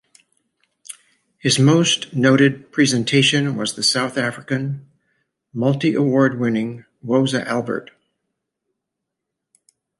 His most noted presentation was the South African, multi-award-winning Woza Albert!